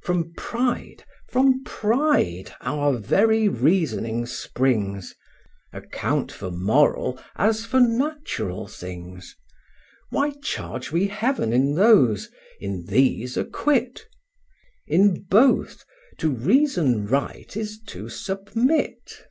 From pride, from pride, our very reasoning springs; Account for moral, as for natural things: Why charge we heaven in those, in these acquit? In both, to reason right is to submit.